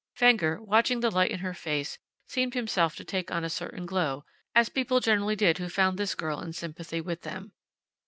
Fenger, watching the light in her face, seemed himself to take on a certain glow, as people generally did who found this girl in sympathy with them.